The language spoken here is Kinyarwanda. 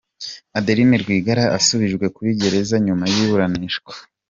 Adeline Rwigara asubijwe kuri gereza nyuma y’iburanishwa